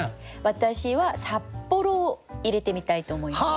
私は「札幌」を入れてみたいと思います。